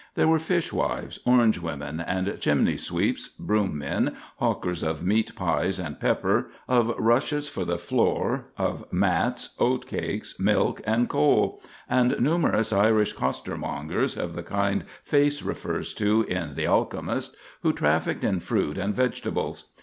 There were fishwives, orange women, and chimney sweeps, broom men, hawkers of meat pies and pepper, of rushes for the floor, of mats, oat cakes, milk, and coal; and numerous Irish costermongers (of the kind Face refers to in "The Alchemist") who trafficked in fruit and vegetables.